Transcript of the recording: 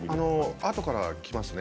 あとからきますね